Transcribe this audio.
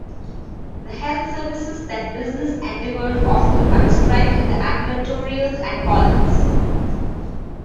The health services that business endeavors offered are described in the advertorials and columns.